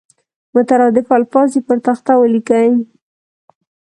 مترادف الفاظ دې پر تخته ولیکي.